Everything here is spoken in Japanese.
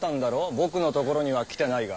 僕のところには来てないが。